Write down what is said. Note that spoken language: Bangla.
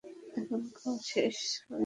এখনো খাওয়া শেষ করিনি।